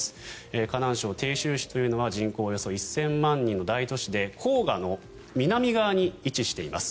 河南省鄭州市は人口およそ１０００万人の大都市で黄河の南側に位置しています。